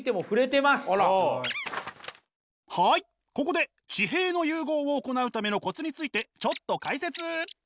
はいここで地平の融合を行うためのコツについてちょっと解説！